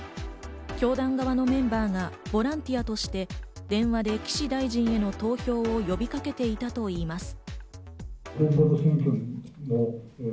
教団側のメンバーがボランティアとして電話で岸大臣への投票を呼びかけていたといいます。